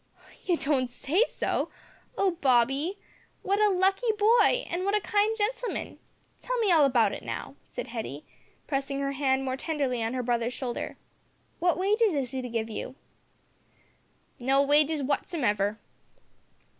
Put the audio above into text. "You don't say so! Oh! Bobby, what a lucky boy an' what a kind gentleman! Tell me all about it now," said Hetty, pressing her hand more tenderly on her brother's shoulder. "What wages is he to give you?" "No wages wotsomever."